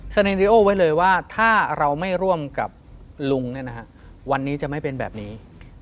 เนดีโอไว้เลยว่าถ้าเราไม่ร่วมกับลุงวันนี้จะไม่เป็นแบบนี้